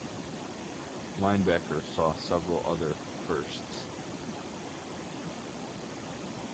"Linebacker" saw several other "firsts".